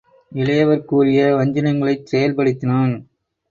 இளையவர் கூறிய வஞ்சினங்களைச் செயல் படுத்தினான்.